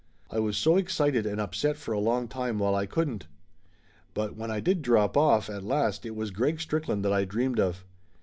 I was so excited and upset for a long time while I couldn't. But when I did drop off at last it was Greg Strickland that I dreamed of.